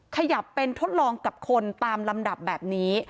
ขยับเป็นทดลองกับคนตามลำดับแบบนี้